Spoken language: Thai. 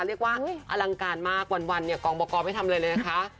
เรียกว่าอลังการมากวันเนี่ยกองบกไม่ทำอะไรเลยนะคะ